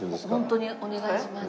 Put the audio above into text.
本当にお願いします。